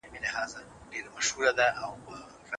د بشري حقونو ساتنه يوازي په شعارونو نه کيږي.